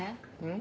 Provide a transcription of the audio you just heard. ん？